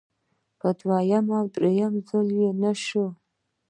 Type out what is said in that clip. په دویم او دریم ځل چې نشوه.